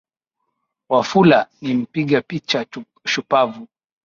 Wafula ni mpiga picha shupavu